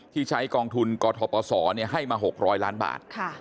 ที่ใช้กองทุนกทปศให้มา๖๐๐ล้านบาท